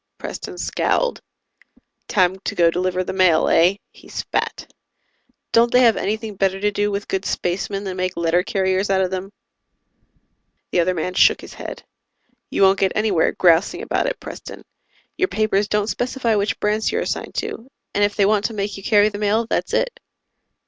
Preston scowled. "Time to go deliver the mail, eh?" He spat. "Don't they have anything better to do with good spacemen than make letter carriers out of them?" The other man shook his head. "You won't get anywhere grousing about it, Preston. Your papers don't specify which branch you're assigned to, and if they want to make you carry the mail that's it."